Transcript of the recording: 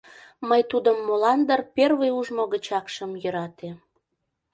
Мый тудым, молан дыр, первый ужмо гычак шым йӧрате.